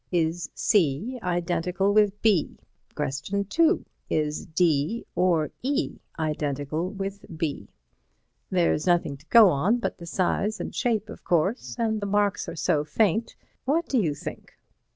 Is C identical with B? Question 2. Is D or E identical with B? There's nothing to go on but the size and shape, of course, and the marks are so faint—what do you think?"